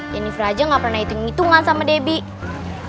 jennifer aja gak pernah hitung hitungan sama debbie